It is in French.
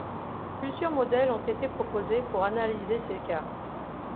Plusieurs modèles ont été proposés pour analyser ces cas.